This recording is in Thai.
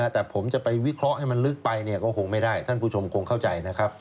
แต่ผมจะไปวิเคราะห์ให้มันลึกไปก็คงไม่ได้ท่านผู้ชมคงเข้าใจนะครับ